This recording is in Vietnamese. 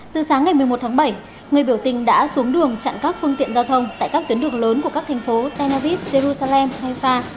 từ sáng ngày một mươi một tháng bảy người biểu tình đã xuống đường chặn các phương tiện giao thông tại các tuyến đường lớn của các thành phố tel aviv jerusalem hay fa